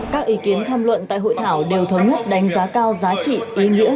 các ý kiến tham luận tại hội thảo đều thống nhất đánh giá cao giá trị ý nghĩa